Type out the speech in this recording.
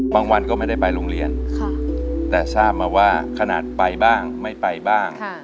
วันก็ไม่ได้ไปโรงเรียนแต่ทราบมาว่าขนาดไปบ้างไม่ไปบ้าง